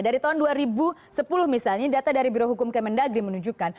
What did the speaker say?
dari tahun dua ribu sepuluh misalnya data dari birohukum kemendagri menunjukkan